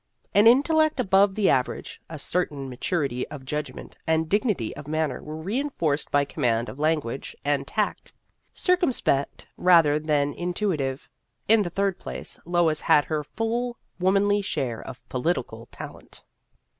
An in tellect above the average, a certain ma turity of judgment, and dignity of manner were reinforced by command of language, and tact circumspect rather than intui tive. In the third place, Lois had her full womanly share of political talent.